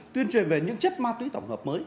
tuyên truyền về những chất ma túy tổng hợp mới